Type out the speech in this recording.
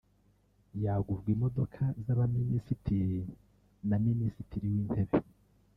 yagurwa imodoka z’abaminisitiri na minisitiri w’intebe